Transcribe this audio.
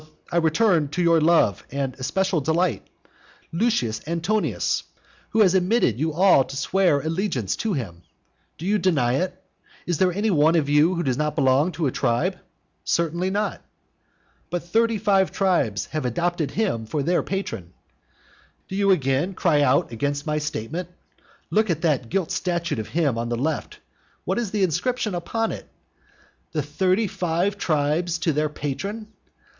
V However, I return to your love and especial delight, Lucius Antonius, who has admitted you all to swear allegiance to him. Do you deny it? is there any one of you who does not belong to a tribe? Certainly not. But thirty five tribes have adopted him for their patron. Do you again cry out against my statement? Look at that gilt statue of him on the left what is the inscription upon it? "The thirty five tribes to their patron."